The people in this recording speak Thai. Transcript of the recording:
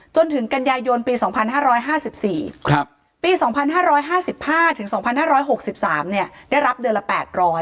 จนถึงกันยายนปี๒๕๕๔ปี๒๕๕๕๒๕๖๓ได้รับเดือนละ๘๐๐